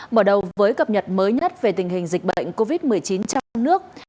mở đầu với cập nhật mới nhất về tình hình dịch bệnh covid một mươi chín trong nước